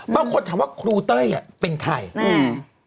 บางคนถามว่าครูเต้ยเป็นใคร